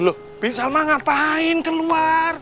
lho lho bisalma ngapain keluar